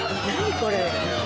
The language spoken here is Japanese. これ。